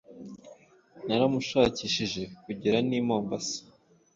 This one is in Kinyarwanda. naramushakishije kugera n'i mombasa